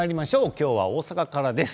今日は大阪からです。